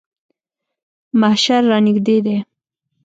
محشر رانږدې دی.